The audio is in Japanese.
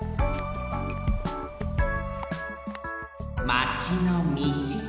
マチのみち